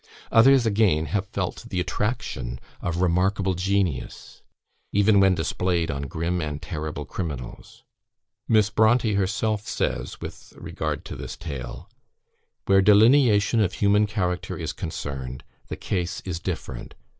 Others, again, have felt the attraction of remarkable genius, even when displayed on grim and terrible criminals. Miss Brontë herself says, with regard to this tale, "Where delineation of human character is concerned, the case is different.